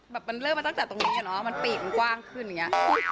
แบบมันเริ่มมาตั้งแต่ตรงนี้อะเนาะมันปีกมันกว้างขึ้นอย่างนี้